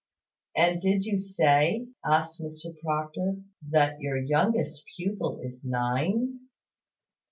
"And did you say," asked Mr Proctor, "that your youngest pupil is nine?"